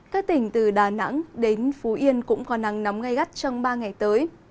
các tỉnh từ đà nẵng đến phú yên cũng có nắng nóng gai gắt trong ba ngày tới